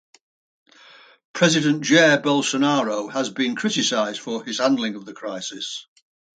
President Jair Bolsonaro has been criticized for his handling of the crisis.